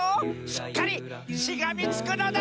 しっかりしがみつくのだ！